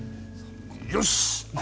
よし！